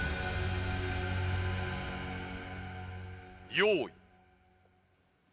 用意。